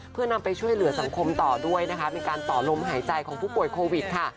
เพื่อนำไปช่วยเหลือสังคมต่อด้วยนะคะเป็นการต่อลมหายใจของผู้ป่วยโควิดค่ะ